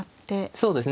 そうですね。